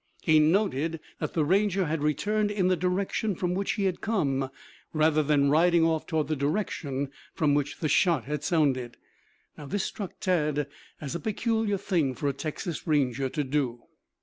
He noted that the Ranger had returned in the direction from which he had come, rather than riding off toward the direction from which the shot had sounded. This struck Tad as a peculiar thing for a Texas Ranger to do.